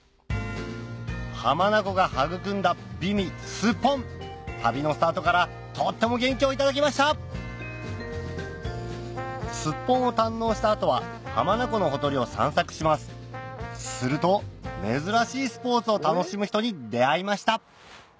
浜名湖が育んだ美味すっぽん旅のスタートからとっても元気をいただきましたすっぽんを堪能した後は浜名湖のほとりを散策しますすると珍しいスポーツを楽しむ人に出会いました